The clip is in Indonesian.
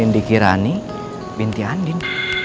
ini dikirani binti andin